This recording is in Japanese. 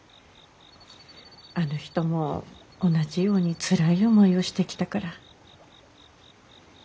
あの人も同じようにつらい思いをしてきたから。